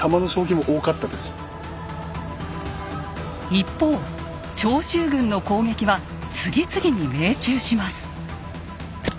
一方長州軍の攻撃は次々に命中します。